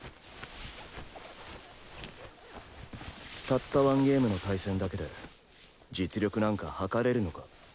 たった１ゲームの対戦だけで実力なんかはかれるのか？